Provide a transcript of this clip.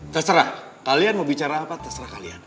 terserah kalian mau bicara apa terserah kalian